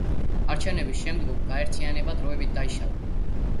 არჩევნების შემდგომ გაერთიანება დროებით დაიშალა.